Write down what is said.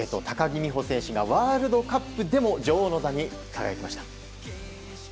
高木美帆選手がワールドカップでも女王の座に輝きました。